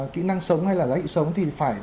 kỹ năng sống hay là giá trị sống thì phải